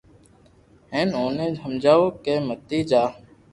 ھين اوني ھمجاو ڪو متي جا